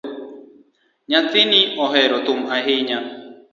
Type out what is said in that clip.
Nyathini ohero thum ahinya